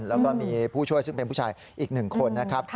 แล้วก็มีผู้ช่วยซึ่งเป็นผู้ชายอีก๑คนนะครับ